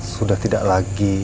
sudah tidak lagi